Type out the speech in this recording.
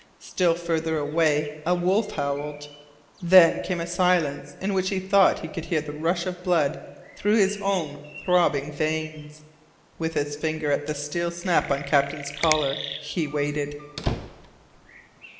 Still farther away a wolf howled. Then came a silence in which he thought he could hear the rush of blood through his own throbbing veins. With his fingers at the steel snap on Captain's collar he waited.